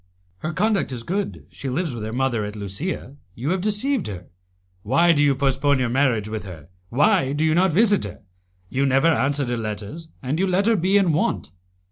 "Her conduct is good, she lives with her mother at Lusia; you have deceived her. Why do you postpone your marriage with her? Why do you not visit her? You never answer her letters, and you let her be in want."